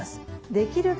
できるだけ